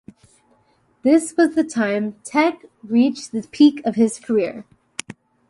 This was the time Tekke reached the peak of his career.